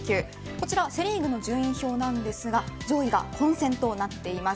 こちらセ・リーグの順位表なんですが上位が混戦となっています。